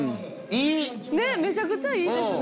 ねえめちゃくちゃいいですね。